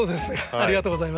ありがとうございます。